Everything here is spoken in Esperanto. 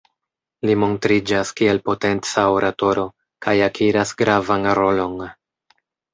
Li montriĝas kiel potenca oratoro, kaj akiras gravan rolon.